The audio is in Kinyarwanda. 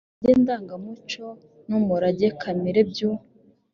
umurage ndangamuco n umurage kamere by u